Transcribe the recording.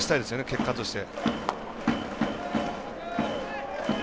結果として。